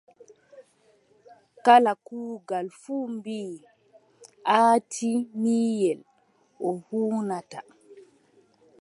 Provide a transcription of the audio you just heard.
Kala kuugal fuu ɓii atiimiyel o huunata.